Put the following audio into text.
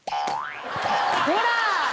ほら！